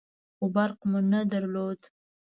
خو برق مو نه درلود.